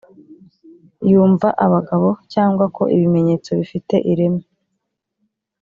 yumva abagabo cyangwa ko ibimenyetso bifite ireme